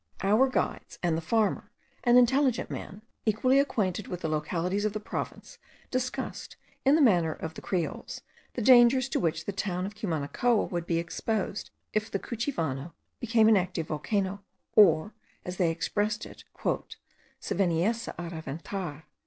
Our guides and the farmer, an intelligent man, equally acquainted with the localities of the province, discussed, in the manner of the Creoles, the dangers to which the town of Cumanacoa would be exposed if the Cuchivano became an active volcano, or, as they expressed it, "se veniesse a reventar."